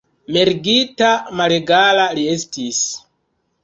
Mergita, malegala li estis!